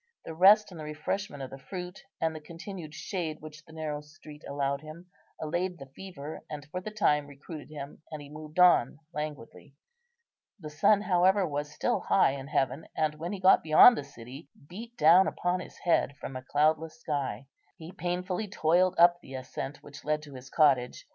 The rest and the refreshment of the fruit, and the continued shade which the narrow street allowed him, allayed the fever, and for the time recruited him, and he moved on languidly. The sun, however, was still high in heaven, and when he got beyond the city beat down upon his head from a cloudless sky. He painfully toiled up the ascent which led to his cottage.